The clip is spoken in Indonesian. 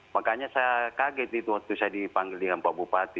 makanya saya kaget itu waktu saya dipanggil dengan pak bupati